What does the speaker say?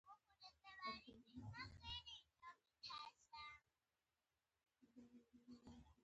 مس ګېج وویل: هو، خو زما خوښه نه شول.